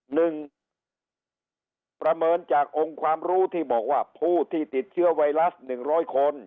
หนึ่งประเมินจากองค์ความรู้ที่บอกว่าผู้ที่ติดเชื้อไวรัสหนึ่งร้อยคน